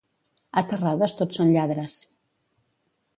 A Terrades tots són lladres.